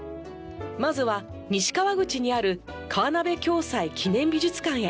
まずは西川口にある河鍋暁斎記念美術館へ。